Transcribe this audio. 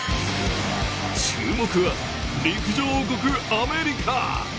注目は、陸上王国アメリカ。